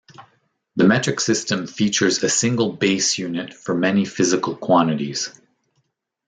The metric system features a single base unit for many physical quantities.